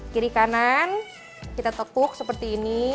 kiri kanan kita tekuk seperti ini